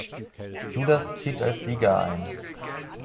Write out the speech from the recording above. Judas zieht als Sieger ein.